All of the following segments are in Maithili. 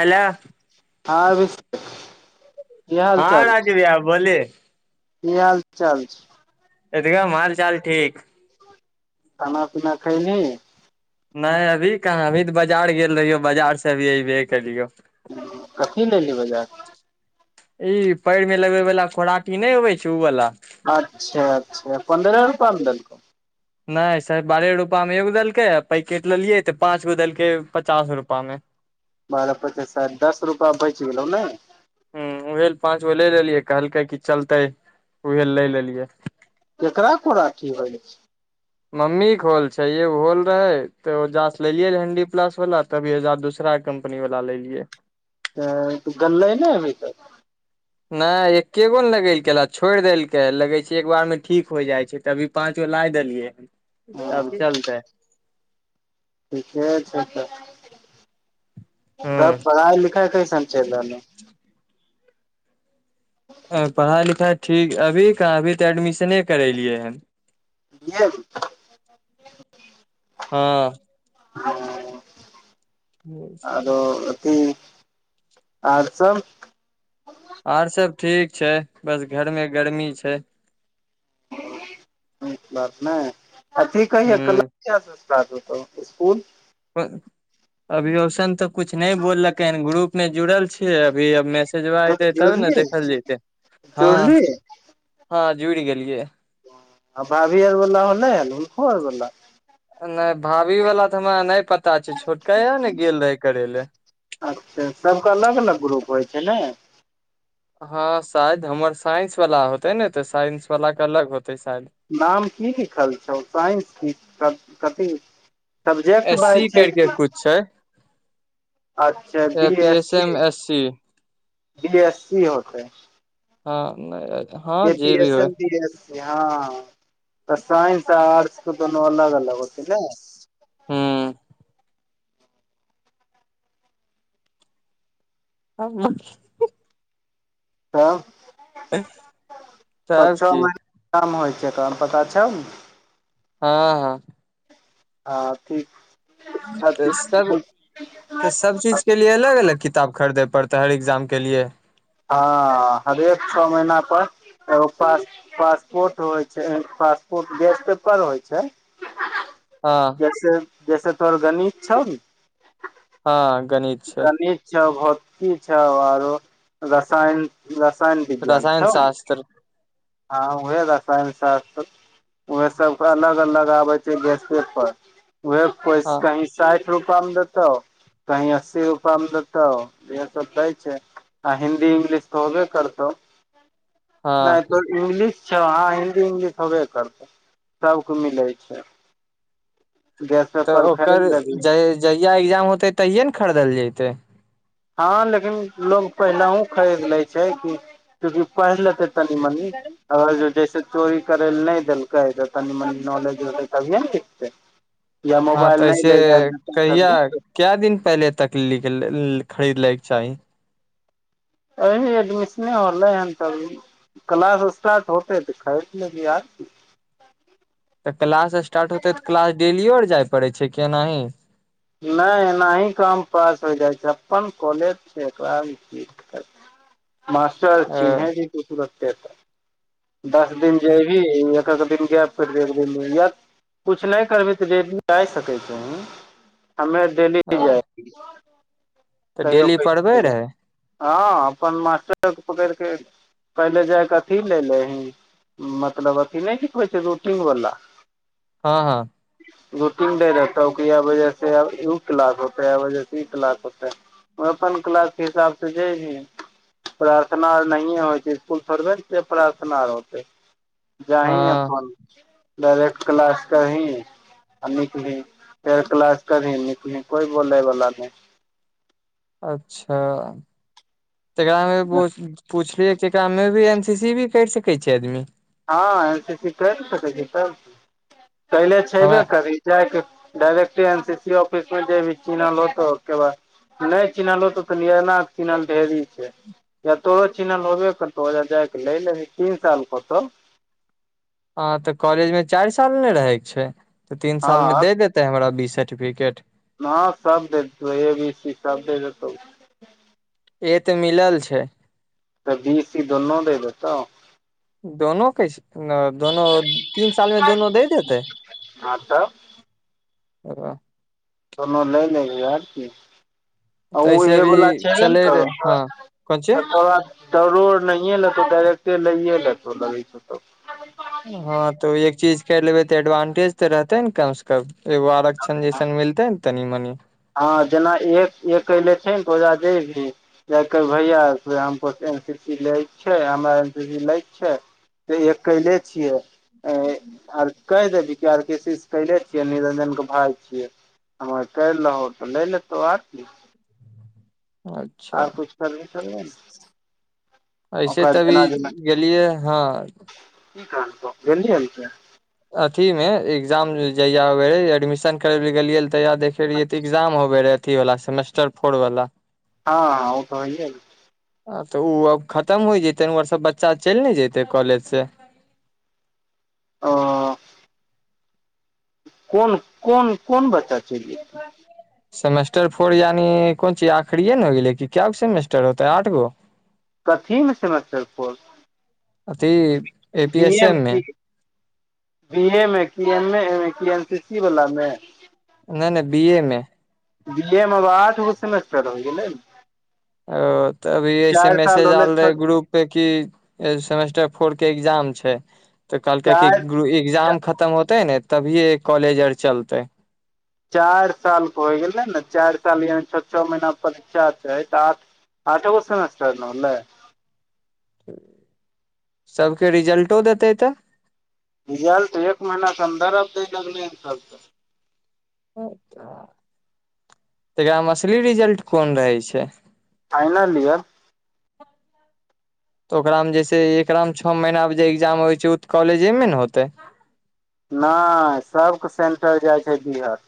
हेलो हाँ अभिषेक। हाँ राजु भैया बोलिए। की हाल चाल छै। एगदम हाल चाल ठीक। खाना पीना खैली। नै अभी कहाँ अभी तऽ बाजार गेल रहियो, बाजार से अभी अऐबे केलियौ। कथी ले गेलही बाजार? ई पैर में लगबे वला खोराटी नहि होवे छै, उ वला। अच्छा अच्छा पन्दह रुपयमे देलकौ। नहि स बारह रूपया में एगो देलकै आ पैकेट लेलियै तऽ पाँच गो देलकै पचास रूपया मे। बारह पचास सेठ दस रुपया बचि गेलौ नै। हाँ उहे ले पांच गो ले लेलियै कहलकै की चलते ऊहे ल ले लेलियै। केकरा फोरा अथी होइ। मम्मी के होल छैय य होल रहे तऽ ओ जाँच लेलियै हंडी प्लास वला तभी बजार दूसरा कम्पनी वला लेलियैैे। त गललै नहि अभी तक। नहि एकेगो ने लगेलकै, छोड़ि देलकै लगै छै एक बार मे ठीक हो जाइ छै तभी पाँच गो ला देलियै हन, हँ तब चलतै। ठीके छैय तऽ। तब हूँ पढ़ाई लिखाई कैसन चलि रहलौ। पढ़ाई लिखाइ ठीक, अभी कहाँ अभी तऽ एडमिशने करेलियए हन। बी एड मे। हाँ। हाँ, आरो। हुँ, आर सब आर सब ठीक छैय बस घर में गर्मी छै। बात नहि अथी कहया हूँ शुरुआत हेतो स्कूल। अभी रोशन तऽ कुछ नहि बोललकै हन, ग्रुप मे जुड़ल छियै अभी मैसेजबा एते तब ने जुड़ली देखल जते, हाँ। जुड़ली हाँ जूड़ि गेलियैये। आ भाभी आर बला हलै लुखुर बोला। नहि भाभी वला तऽ हमरा नहि पता छै छोटका भैया ने गेल रहे करे ले। अच्छा सबके अलग अलग ग्रुप होइ छै नै। हाँ शायद हमर साइंस वला होते ने तऽ साइंस वला के अलग होतै शायद। नाम की लिखल छौ साइंस की क कथी सब्जेक्ट भ एस जाइ सी छैय करके कि। छै। अच्छा A B P S C, M S C B S C होते। हाँ नहि हाँ जे भी होए। हाँ तऽ साइन्स आ आर्ट्स केथंदोनू अलग अलग होत नहि। हुँ। हं कि। तब छ तब छ की महीनाके काम होइ छैय पता छौ नहि। हाँ हाँ। हां ठीक छै। तऽ सब तऽ सब चीज। के लिए अलग-अलग किताब खरदै पड़तै हर इग्जाम के लिए। हाँ हरेक छ मैहना पर एगो पास पासपोर्ट होय छै, पासपोर्ट गैस पेपर होय छै। [inaudible] हां। जैसे जैसे तोहर गणित छौ ने। हां गणि गणित छौ, भौतकी छौ आरो रसायन रसायन विज्ञान छौ नै। [unintelligible] हां उहे रसायनशास्त्र उहे सबके अलग-अलग आबै छै गैस पेपर, उहे ओय हँ स [unintelligible] साएठ रूपा मे देतौ, कहीं अस्सी रूपा मे देतौ, इहे सब दै छै। आ हिन्दी, इंग्लिश तो होबे करतौ। नै हँ तोहर इंग्लिश छौ, हाँ हिन्दी इंगलिश होबे करतौ सबके मिलै छै। गैस तऽ पेपर खरीद ओकर लेबही जय जहिया इग्जाम होतै तहिये ने खरीदल जेतै। हां लेकिन लोग पहिलहुं खरीद लै छै कि क्यूंकि पैढ़ लेतै तनि-मनि और जे जैसे चोरी करै लए नै देलकै तऽ तनी-मनी नॉलेज होतै तभिये ने लिखतै। या मोबाइल नै लाए जाएल देतै तभिये ने [unintelligible] काए दिन पहले तक लिकलै लि खरीद लैके चाही। अभी एडमिशने होलै हन तभी। क्लास स्टार्ट होतै तऽ खरीद लेभी आर की। तऽ क्लास स्टार्ट होतै तऽ क्लास डेलियो आर जाय पड़ै छै कि एनाही। नै एनाही एकरा मे पास हो जाय छै, अप्पन कॉलेज छै एकरा मे कि मास्टर अ चिन्है जेतौ तुरते ते। दस दिन जैभी इ एक-एक दिन गैप करबी फिर एक दिन [unintelligible] कुछ नै करबी तऽ डेली जाय सकै छही, हम्मे आर डेली अ, जाय रिहै। तऽ डेली कहियो-कहियो पढ़बै नै जाय रहै हां अपन मास्टर के पकैड़ कऽ पहिले जाय के अथी ले लेही मतलब अथी नै सिखबै छै रुटिंग वला हां-हां। रूटिंग दै रहै तऽ उ के याएह बजे से उ क्लास होतै, याएह बजे से ई क्लास होतै। अपन क्लास के हिसाब से जैबी। प्रार्थना आर नहिये होय छै, इसकुल थोड़बे नै छिये प्रार्थना आर होतै। जाहि हँ अपन डायरेक्ट क्लास करही। आ नि फेर क्लास करी निकली कोय बोलै बला नै। अच्छा। जेकरा मे पुछ पुछलियै कि एकरा मे भी एन सी सी भी कैर सकै छै आदमी। हां एन सी सी कैर सकै छी तऽ कैएले हमरा छेबे करी। जाय कऽ डायरेक्टे एन सी सी ऑफिस पर जेबी चिन्हऽ लगतौ ओ के बाद नै चिन्हा लगतो तऽ नियरणा के चिन्हल ढेरी छै। या तोरो चिन्हल होबे करतौ, ओजा जाय के लऽ लेही तीन साल कहतौ। हां तऽ कॉलेज में चाएर साल ने रहै छै तऽ तीन हँ साल मे दे दे तै हमरा बी सार्टिफिकेट। हां सब देतौ, ए, बी, सी सब दे देतौ। ईहे तऽ मिलल छै। तऽ बीस ई दुन्नु दे देतौ। दोनो कैसे अ दोनो तीन साल में दोनो दऽ देतै? हँ तब ककरा कोनो लै लेभी आर की। ओ तऽ उ ऐसे ईहे वला अभी छैबे नै चले करो रहे तोरा अ हँ कोन चीज त तोरा सरो आर नहिए लेतौ डायरेक्टर लाईये लेतौ लगै छौ तब। हां तो एक चीज कर लेबै तऽ एडवांटेज तऽ रहतै न कम से कम एगो आरक्षण जैसन मिलते नै तनी-मनी हां जेना एक एक एले छै नै ओजा जेबही जाके भैया से हमको एन सी सी ले क छैय, हमरा एन सी सी लै क छैय। तऽ एक कै एले छियै। ए आर कह देभी की आर के सी से कैले छियै, निरंजन के भाय छियै। हां कैर लहो तऽ नै लेतौ आर की। अच्छा आर कुछ करभी थोड़े यहां से। ऐसे तै अभी गेलिये हां। की कहलको गेलि हन तै। अथी मे एग्जाम जहिया होबै हय, एडमिशन करबै लै गेलियै रहे तहिया देख फेर इहे त एग्जाम होवे रहे अथी वाला सेमेस्टर फोर वाला। हां हां उ तऽ होईयै रहो। आ तऽ उ अब खत्म होय जते नै उ आर सब बच्चा चेल नै जेते कॉलेज से। ओ। कोन-कोन-कोन बच्चा चेल ये बाद में सेमेस्टर फोर यानि कोन चीज आखरीए नै होय गेले की केगो सेमेस्टर होतै आठगो? कथी मे सेमेस्टर फोर? अथी ए पी एस एम मे। बी ए मे, की एम ए मे, की एन सी सी बला मे? नै नै बी ए मे। बी ए मे आब आठगो सेमेस्टर होय गेलै नै। ओ तऽ अभी ऐसे साल मेसेज होलै ऐल रहे ग्रुप से की ए सेमेस्टर फोर के एग्जाम छैय तऽ कहलकै की चारि गूरू एग्जाम ख खत्म होते नै तभीये कॉलेज आर चलतै चार साल के होइ गेलै नै चारि साल यानि छ छ महीना परीक्षा छै तऽ आठ आठेगो सेमेस्टर नै होलय। सबके रिजल्टो देतय तै? रिजल्ट एक महिनके अन्दर एतेय की अगले साल। नै पता, त एकरा में असली रिजल्ट कौन रहय छै? Final year. तऽ ओकरामे जे छै ऐकरा में छ महीना पे जे एग्जाम होइ छैय उ तऽ कॉलेजेमे न होतै। नै सबके सेंटर जाइ छै बिहट।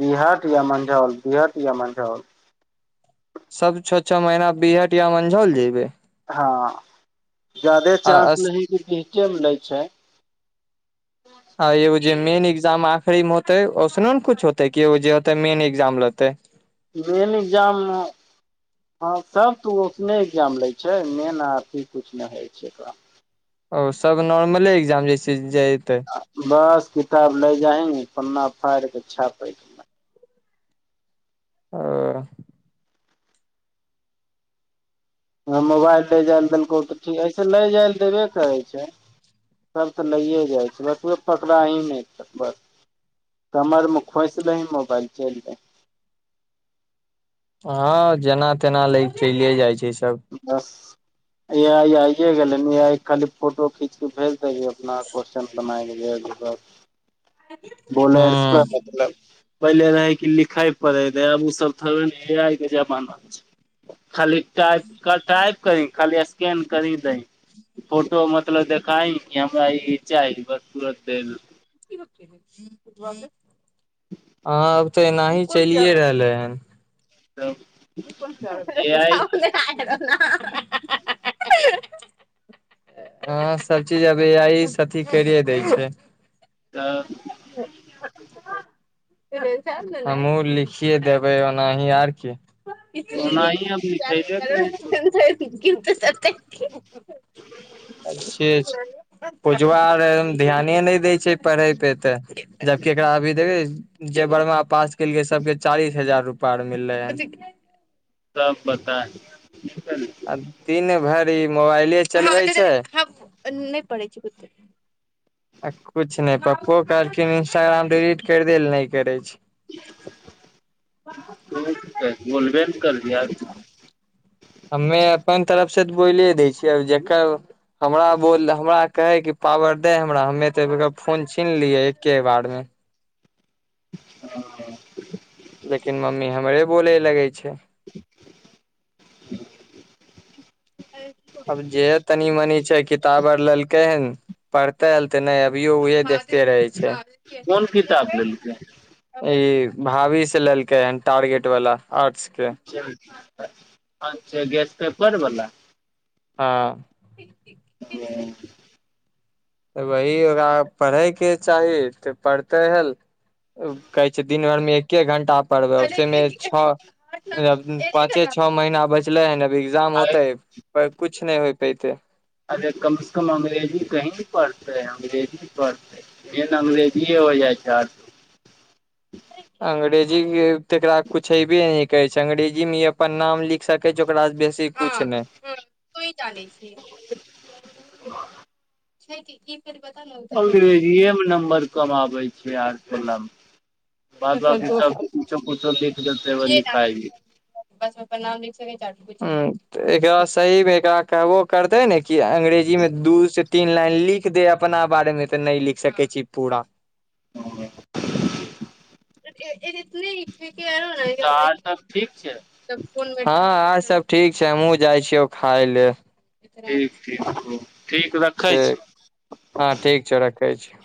बिहट या मंझौल, बिहट या मंझौल। सब छ छ महीना बिहट या मंझौल जेयबे। हां जादे आ चांस अस- लही की बीहटे मे लै छै। आ एगो जे मेन एग्जाम आखरी मे होतै ओसनो न कुछ होतै की एगो जे होते मेन एग्जाम लेतै। मेन एग्जाम हँ सब त ऊ उतने एग्जाम लेय छैय मेन आ अथी कुछ नैय होइ छैय क। ओ सब नॉर्मले एग्जाम जैसे जेतै? बस किताब लै जाहिन पन्ना फाड़ के छापैके ओ हँ मोबाइल ले जाइ देलको तऽ ठीक ऐसे लै जाइल देबे करय छैय सब त लैए जाइ छै बस कियो पकड़ा ही नै त बस कमरमे खोंसि लही मोबाइल चैल जाही। हँ जेना तेना लै के चैले जाइ छै सब। बस ए आइ आइये गेलैय [unintelligible] फोटो खींच के भेज दही अपना कोसचन बनाई के भेज देतौ [unintelligible] हूँ पहिले रहै कि लिखै पढै रहै आब ऊ सब थोड़बे नै ए आइ के जमाना छैय खाली टाइप क टाइप कहीं खाली स्कैन करही दहीं फोटो मतलब देखाइ कि हमरा ई चाहि बस तुरते [unintelligible] हां अब तऽ एनाही चलिए रहलै हन। तब ई कोन प्यार ए भेलै? आइ जाउ ने आ रहलै [unintelligible] हा हा हा [unintelligible] हँ सब चीज अब एआइसे अथी कैरे दै छै। तऽ हमहुँ लिखिए देबै ओनाही आर कि [unintelligible] हें‌हें ओनाही अब लिखेबे करै छै अच्छे छै। पुजबा आर ध्याने नै दै छै पढै पे तऽ जबकि एकरा अभी देखै जे बरहमा पास केलकै सबके चालीस हजार रुपा आर मिललै हन। तब बता [unintelligible] आ दिन भरि ई मोबाइले चलबै छै, [unintelligible] नै पढैछि ओते आ कुछ नै पप्पो कहलखिन इंस्टाग्राम डिलीट करि दै ल नै करै छै। तू कि करभी बोलबे न करभी आर की हम्मे अपन तरफ से तऽ बोलै दै छियै आब जेकर हमरा बोल हमरा कहै के पावर दै हमरा हमे तऽ एकर फोन छिनलियै एके बारमे हऽ [unintelligible] लेकिन मम्मी हमरे बोले लगै छै। [inaudible] अब जेहै तनी मनी छै कित ताब आर लेलकै हन पढतैल त नै अभियो उहे देखते रहे छै। कोन किताब लेलकै? ए इ भाभी से लैलकै हन टारगेट वाला आर्ट्स के। [unintelligible] अच्छा गेस पेपर बला। हा ओ त वही ओकरा पढैके चाही तऽ पढतै हल कहै छै दिन भर मे एके घंटा पढबै [unintelligible] छ पाँचे छ महीना बचले हन अभी ए्ग्जाम होतै पर कुछ नै हो पेतै। अरे कम से कम अंग्रेजी कही ने पड़तेै अंग्रेजी पढ़तै। ये त अंग्रेजीए हो जाइ छथि। अंग्रेजी त एकरा कुछ एबे नै करै छै, अंग्रेजीमे इ अपन नाम लिख सकै छै, ओकरासँ बेसी कुछ नै, तू ही जानै छीही। [inaudible] छै त की। फिर पता नै। अंग्रेजीेये मे नम्बर कम आबै छै आर्टबलामे। बाद बाकी सब किछो कुछ देख क एकेबेर निकालि बस नाम निचे मे काटि सकै छै। एकरा सही मे एकरा त ओ करतै ने कि अंग्रेजी मे दू से तीन लाइन लिख दै अपना बारे मे त नै लिख सकै छै पूरा। ह [inaudible] ए एतै त नै। त आर सब ठीक छै। हँ आर सब ठीक छै, हमहु जाइ छियौ खाय ले। ठीक ठीक ठीक, ठीक रखै छी। हां ठीक छै रखै छी।